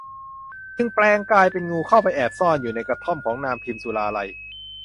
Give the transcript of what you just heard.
จึงแปลงกายเป็นงูเข้าไปแอบซ่อนอยู่ในกระท่อมของนางพิมสุราลัย